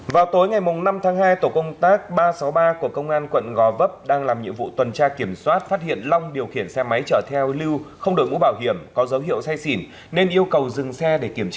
vào tối ngày năm tháng hai tổ công tác ba trăm sáu mươi ba của công an quận gò vấp đang làm nhiệm vụ tuần tra kiểm soát phát hiện long điều khiển xe máy chở theo lưu không đổi mũ bảo hiểm có dấu hiệu say xỉn nên yêu cầu dừng xe để kiểm tra